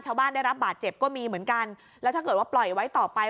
ได้รับบาดเจ็บก็มีเหมือนกันแล้วถ้าเกิดว่าปล่อยไว้ต่อไป